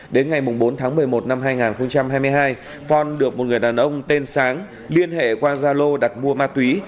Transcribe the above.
đến ngày bốn tháng một mươi một năm hai nghìn hai mươi hai phong được một người đàn ông tên sáng liên hệ qua gia lô đặt mua ma túy